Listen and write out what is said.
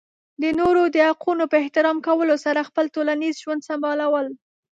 د نورو د حقونو په احترام کولو سره خپل ټولنیز ژوند سمبالول.